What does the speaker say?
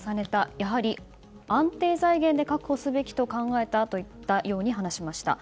やはり、安定財源で確保すべきと考えたと話しました。